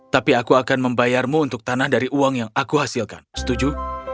tapi aku akan membayarmu untuk tanah dari uang yang aku hasilkan setuju